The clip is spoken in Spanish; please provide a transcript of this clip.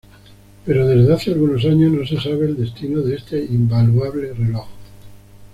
Pero desde hace algunos años no se sabe el destino de este invaluable reloj.